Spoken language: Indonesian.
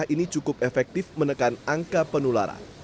ini cukup efektif menekan angka penularan